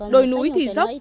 đôi núi thì dốc